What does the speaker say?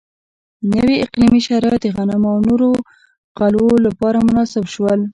نوي اقلیمي شرایط د غنمو او نورو غلو لپاره مناسب شول.